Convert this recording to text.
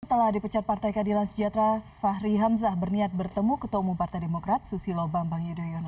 setelah dipecat partai keadilan sejahtera fahri hamzah berniat bertemu ketemu partai demokrat susilo bambang yudhoyono